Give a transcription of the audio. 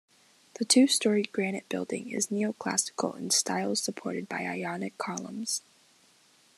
The two-storey granite building is neo-classical in style supported by Ionic columns.